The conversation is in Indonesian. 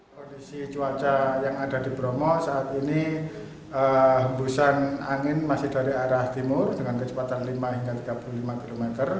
kondisi cuaca yang ada di bromo saat ini hembusan angin masih dari arah timur dengan kecepatan lima hingga tiga puluh lima km